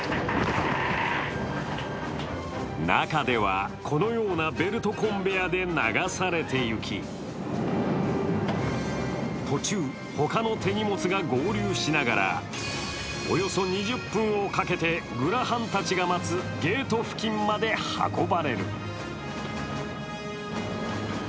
中では、このようなベルトコンベヤーで流されていき途中、他の手荷物が合流しながらおよそ２０分をかけてグラハンたちが待つゲート付近まで運ばれる。